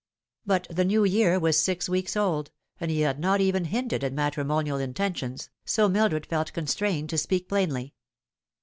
But the new year was six weeks old, and he had not even 216 The Fatal Three. hinted at matrimonial intentions, so Mildred felt constrained to speak plainly.